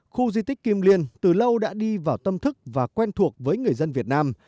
khu di tích kim liên từ lâu đã đi vào tâm thức và quen thuộc với người dân việt nam